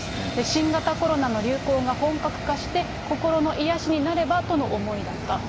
新型コロナの流行が本格化して、心の癒やしになればとの思いだった。